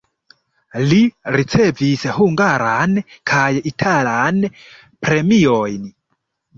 Li ricevis hungaran kaj italan premiojn.